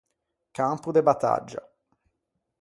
Campo de battaggia.